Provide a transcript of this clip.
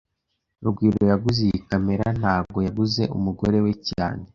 Rugwiro yaguze iyi kamera, ntago yaguze umugore we cyane